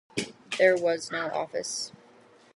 There was no office.